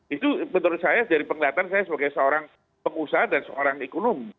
itu menurut saya dari penglihatan saya sebagai seorang pengusaha dan seorang ekonom